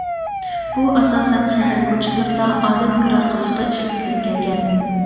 بۇ ئاساسەن شەھەر كوچىلىرىدا ئادەم كىرا قىلىشقا ئىشلىتىلىپ كەلگەن.